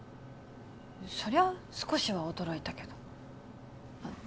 そりゃ少しは驚いたけどあ